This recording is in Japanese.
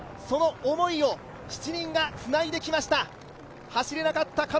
その思いを７人がつないできました走れなかった